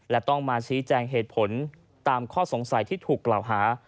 และต้องมาชี้แจงเหตุผลตามข้อสงสัยที่ถูกกล่าวหา